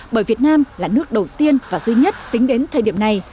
bởi việt nam là nước đầu tiên và duy nhất tính đến thời điểm này